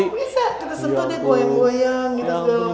bisa terus sentuh dia goyang goyang gitu